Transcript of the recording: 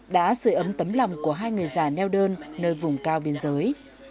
đã sửa ấm tấm lòng của hai người già neo đơn nơi vùng cao biên giới